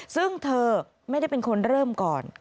ซึ่งเธอไม่ได้เป็นคนเริ่มก่อน